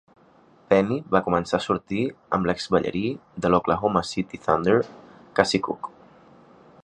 Penny va començar a sortir amb l'exballarí de l'Oklahoma City Thunder, Kaci Cook.